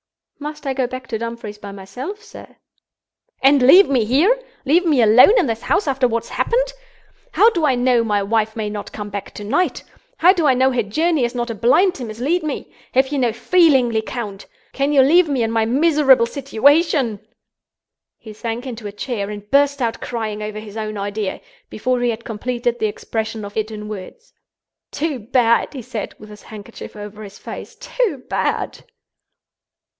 "Must I go back to Dumfries by myself, sir?" "And leave me here? Leave me alone in this house after what has happened? How do I know my wife may not come back to night? How do I know her journey is not a blind to mislead me? Have you no feeling, Lecount? Can you leave me in my miserable situation—?" He sank into a chair and burst out crying over his own idea, before he had completed the expression of it in words. "Too bad!" he said, with his handkerchief over his face—"too bad!"